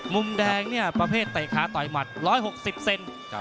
มุมแดงเนี่ยประเภทเตะขาต่อยหมัด๑๖๐เซน